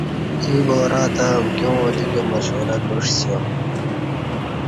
ییں بارہ تہ امکیاں اوجِکہ مشورہ کعسِیا ۔